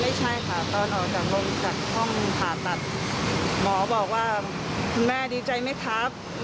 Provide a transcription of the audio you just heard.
ไม่ใช่ค่ะตอนออกจากลงจากห้องผ่าตัดหมอบอกว่าคุณแม่ดีใจไหมครับ